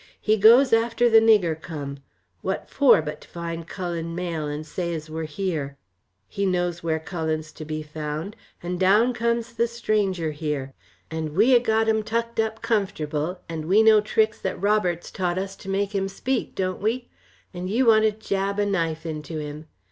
He goes after the nigger come; what for, but to find Cullen Mayle, and say as we're here? He knows where Cullen's to be found, and down comes the stranger here. And we ha' got him tucked up comfortable, and we know tricks that Roberts taught us to make him speak, don't we? And you want to jab a knife into him.